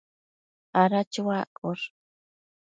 ada chuaccosh